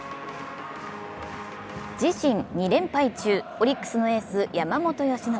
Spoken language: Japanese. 自身２連敗中、オリックスのエース・山本由伸。